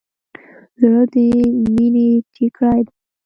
زړه د مینې ټیکری دی.